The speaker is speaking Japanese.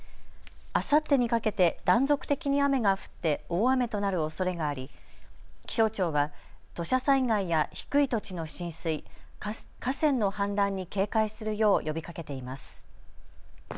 あさってにかけて断続的に雨が降って大雨となるおそれがあり気象庁は土砂災害や低い土地の浸水、河川の氾濫に警戒するよう呼びかけています。